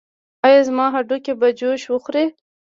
ایا زما هډوکي به جوش وخوري؟